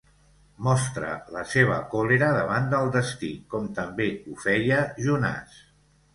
Mostra la seva còlera davant del destí, com també ho feia Jonàs.